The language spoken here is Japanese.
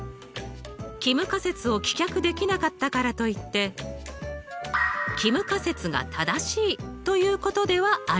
帰無仮説を棄却できなかったからといって帰無仮説が正しいということではありません。